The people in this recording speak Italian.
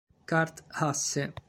Kurt Hasse